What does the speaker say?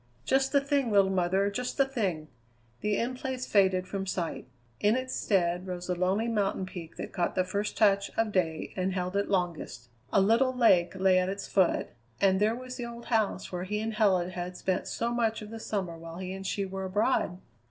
"Just the thing, little mother, just the thing!" The In Place faded from sight. In its stead rose a lonely mountain peak that caught the first touch of day and held it longest. A little lake lay at its foot, and there was the old house where he and Helen had spent so much of the summer while he and she were abroad!